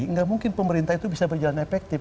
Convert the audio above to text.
nggak mungkin pemerintah itu bisa berjalan efektif